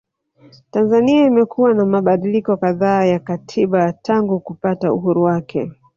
Tanzania imekuwa na mabadiliko kadhaa ya katiba tangu kupata uhuru wake